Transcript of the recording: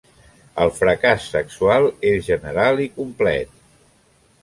El fracàs sexual és general i complet.